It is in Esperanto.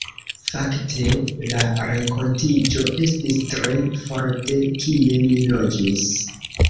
Fakte la renkontiĝo estis tre for de kie mi loĝis.